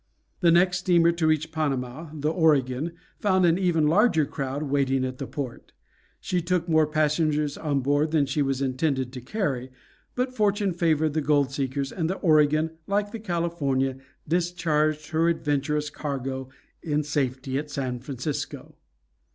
The next steamer to reach Panama, the Oregon, found an even larger crowd waiting at that port. She took more passengers on board than she was intended to carry, but fortune favored the gold seekers, and the Oregon, like the California, discharged her adventurous cargo in safety at San Francisco.